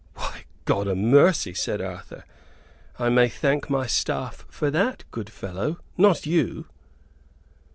"Why, God a mercy," said Arthur, "I may thank my staff for that, good fellow; not you."